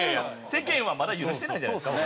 世間はまだ許してないじゃないですか？